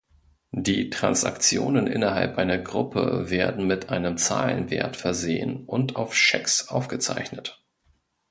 Die Transaktionen innerhalb einer Gruppe werden mit einem Zahlenwert versehen, und auf "Schecks" aufgezeichnet.